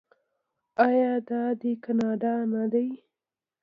آیا دا دی کاناډا نه دی؟